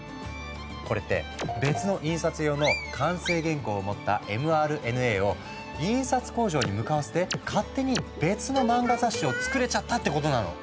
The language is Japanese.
これって別の印刷用の完成原稿を持ったｍＲＮＡを印刷工場に向かわせて勝手に別の漫画雑誌をつくれちゃったってことなの。